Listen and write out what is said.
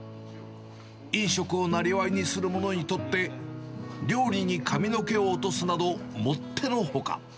飲食をなりわいにする者にとって、料理に髪の毛を落とすなど、もってのほか。